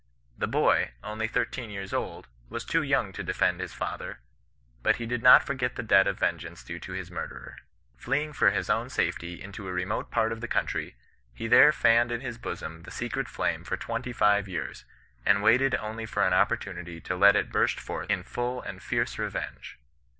The boy, only thirteen years old, was too young to defend his fa ther, but he did not forget the debt of vengeance due to his murderer. Fleeing for his own safety into a remote part of the country, he there fanned in his bosom the secret flame for twenty five years, and waited only for an opportunity to let it burst forth in full and fierce re venge.